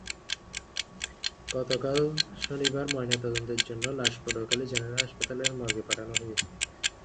গতকাল শনিবার ময়নাতদন্তের জন্য লাশ পটুয়াখালী জেনারেল হাসপাতালের মর্গে পাঠানো হয়েছে।